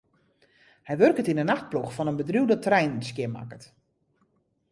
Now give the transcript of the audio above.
Hy wurket yn 'e nachtploech fan in bedriuw dat treinen skjinmakket.